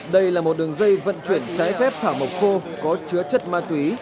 đây là một đường dây vận chuyển trái phép thảo mộc khô có chứa chất ma túy